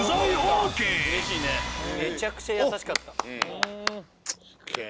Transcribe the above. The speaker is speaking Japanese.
めちゃくちゃ優しかった。ＯＫ。